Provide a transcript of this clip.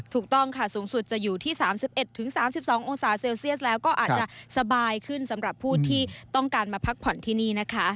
ถูกต้องค่ะสูงสุดจะอยู่ที่๓๑๓๒องศาเซลเซียสแล้วก็อาจจะสบายขึ้นสำหรับผู้ที่ต้องการมาพักผ่อนที่นี่นะคะ